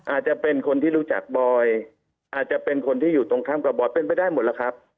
อาจจะเป็นคนที่รู้จักบอยอาจจะเป็นคนที่อยู่ตรงข้ามกับบอยเป็นไปได้หมดแล้วครับ